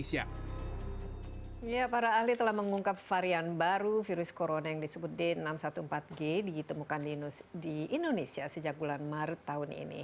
ya para ahli telah mengungkap varian baru virus corona yang disebut d enam ratus empat belas g ditemukan di indonesia sejak bulan maret tahun ini